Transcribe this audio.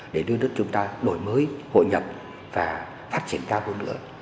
để đưa nước chúng ta đổi mới hội nhập và phát triển cao hơn nữa